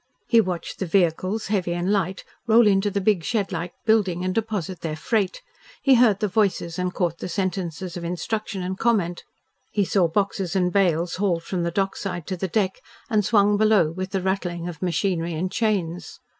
He watched the vehicles, heavy and light, roll into the big shed like building and deposit their freight; he heard the voices and caught the sentences of instruction and comment; he saw boxes and bales hauled from the dock side to the deck and swung below with the rattling of machinery and chains.